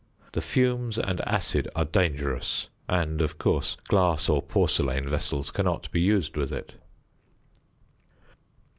The fumes and acid are dangerous, and, of course, glass or porcelain vessels cannot be used with it.